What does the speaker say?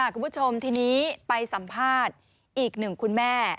คุณผู้ชมทีนี้ไปสัมภาษณ์อีกหนึ่งคุณแม่